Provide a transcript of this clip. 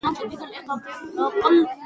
د اوسپنې پټلۍ غځول سیمه ییز اتصال رامنځته کوي.